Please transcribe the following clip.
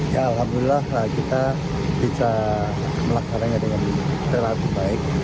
ya alhamdulillah kita bisa melaksanakannya dengan relatif baik